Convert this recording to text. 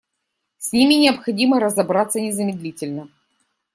С ними необходимо разобраться незамедлительно.